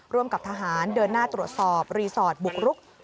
ร่วมกับทหารเดินหน้าตรวจสอบรีสอร์ทบุกรุก